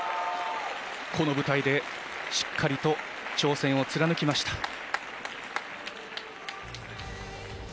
この舞台でしっかりと挑戦を貫きました。